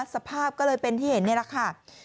สภาพก็เลยเป็นที่เห็นนี่แหละค่ะ